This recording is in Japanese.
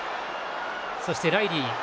そして、ライリー。